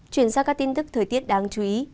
chuyển sang các tin tức thời tiết đáng chú ý